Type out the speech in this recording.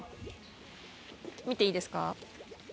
見ていいですか？